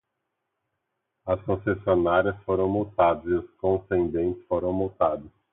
As concessionárias foram multadas e os concedentes foram multados